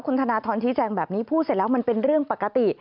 คุณธนทรชี้แจงแบบนี้พูดเสร็จแล้วมันเป็นเรื่องปกติ